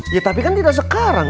ya tapi kan tidak sekarang